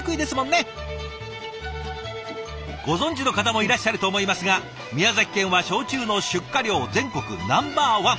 ご存じの方もいらっしゃると思いますが宮崎県は焼酎の出荷量全国ナンバーワン！